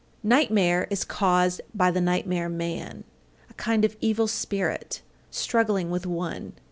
_ 827. Nightmare is caused by the nightmare man, a kind of evil spirit, struggling with one.